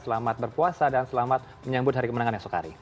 selamat berpuasa dan selamat menyambut hari kemenangan esok hari